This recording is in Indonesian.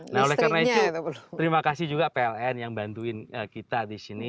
nah oleh karena itu terima kasih juga pln yang bantuin kita di sini